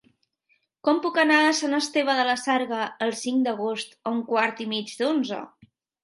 Com puc anar a Sant Esteve de la Sarga el cinc d'agost a un quart i mig d'onze?